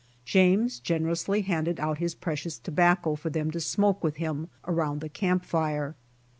James generously handed out his precious tobacco for them to smoke with him around our camp fire.